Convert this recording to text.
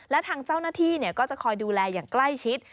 และทางเจ้าหน้าที่ก็จะคอยดูแลอย่างใกล้ชิด